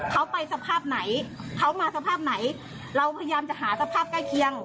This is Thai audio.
เขาไปสภาพไหนเขามาสภาพไหนเราพยายามจะหาสภาพใกล้เคียง